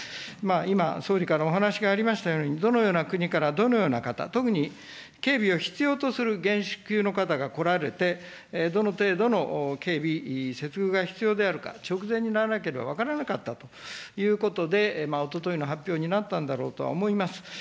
今、総理からお話がありましたように、どのような国からどのような方、特に警備を必要とする元首級の方が来られて、どの程度の警備、接遇が必要であるか、直前にならなければ分からなかったと、おとといの発表になったんだろうとは思います。